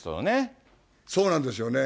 そうなんですよね。